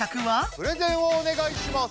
プレゼンをおねがいします。